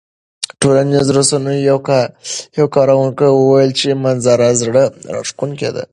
ټولنیزو رسنیو یو کاروونکي وویل چې منظره زړه راښکونکې ده.